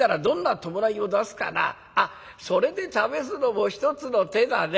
それで試すのも一つの手だね。